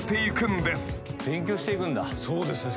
そうですね。